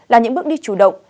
là những bước đi chủ động